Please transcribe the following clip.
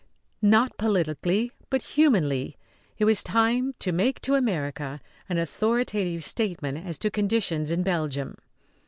Not politically, but humanely, it was time to make to America an authoritative statement as to conditions in Belgium.